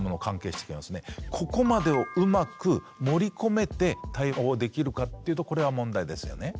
ここまでをうまく盛り込めて対応できるかっていうとこれは問題ですよね。